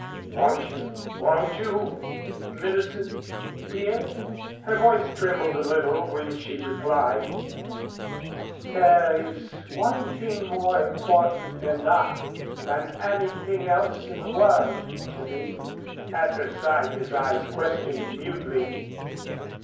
"Won't you won't you, Millicent, dear?" Her voice trembled a little when she replied: "There is one thing more important than that than anything else in the world to me." At her side his eyes questioned mutely.